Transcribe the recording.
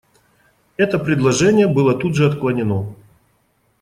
Это предложение было тут же отклонено.